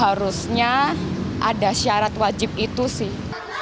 harusnya ada syarat wajib itu sih